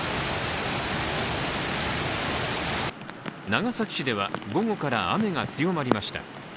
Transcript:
長崎市では、午後から雨が強まりました。